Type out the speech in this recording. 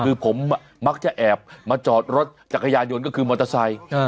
คือผมมักจะแอบมาจอดรถจักรยานยนต์ก็คือมอเตอร์ไซค์